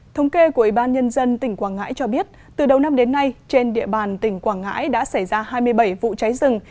thống kê của ủy ban nhân dân tỉnh quảng ngãi cho biết từ đầu năm đến nay trên địa bàn tỉnh quảng ngãi đã xảy ra hai mươi bảy vụ cháy rừng